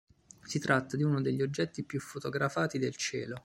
Si tratta di uno degli oggetti più fotografati del cielo.